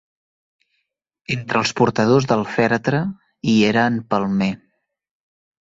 Entre els portadors del fèretre hi era en Palmer.